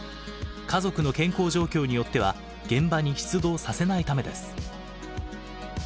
家族の健康状況によっては現場に出動させないためです。